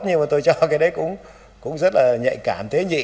nhưng mà tôi cho cái đấy cũng rất là nhạy cảm thế nhị